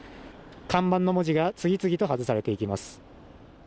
看板の文字が次々と外されていきます